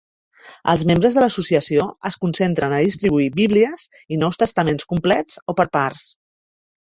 Els membres de l'associació es concentren a distribuir bíblies i nous testaments complets o per parts.